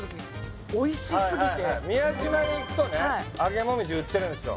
はいはいはい宮島に行くとね揚げもみじ売ってるんですよ